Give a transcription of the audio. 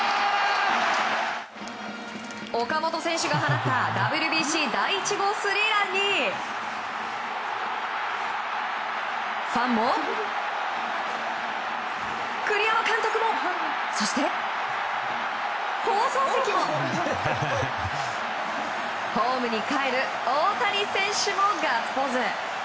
岡本選手が放ったＷＢＣ第１号スリーランにファンも、栗山監督もそして放送席もホームにかえる大谷選手もガッツポーズ！